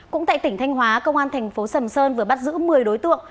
cũng tại tỉnh thanh hóa công an thành phố sầm sơn vừa bắt giữ một mươi đối tượng